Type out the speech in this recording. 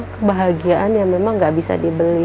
kebahagiaan yang memang gak bisa dibeli